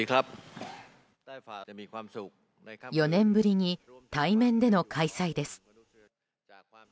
４年ぶりに対面での開催です。